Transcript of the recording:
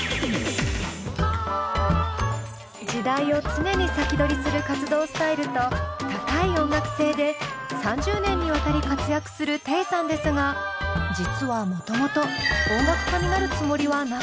時代を常に先取りする活動スタイルと高い音楽性で３０年にわたり活躍するテイさんですが実はもともと音楽家になるつもりはなかったんだとか。